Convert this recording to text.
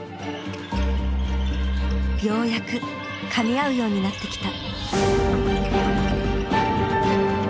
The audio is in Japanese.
ようやくかみ合うようになってきた。